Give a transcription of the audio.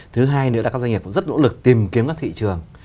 thứ hai nữa là các doanh nghiệp cũng rất nỗ lực tìm kiếm các thị trường